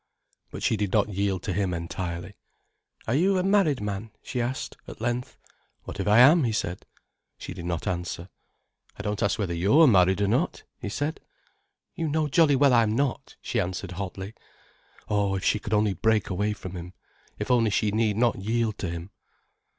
But she did not yield to him entirely. "Are you a married man?" she asked at length. "What if I am?" he said. She did not answer. "I don't ask you whether you're married or not," he said. "You know jolly well I'm not," she answered hotly. Oh, if she could only break away from him, if only she need not yield to him.